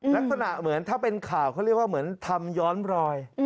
ลักษณะเหมือนถ้าเป็นข่าวเขาเรียกว่าเหมือนทำย้อนรอย